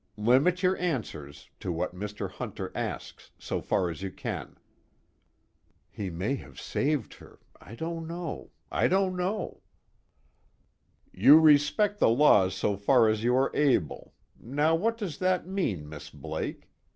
Limit your answers to what Mr. Hunter asks, so far as you can." He may have saved her I don't know I don't know. "You respect the laws so far as you are able now what does that mean, Miss Blake?